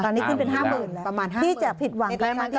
ประมาณ๕หมื่นแล้วปีเจอ์พิดวัง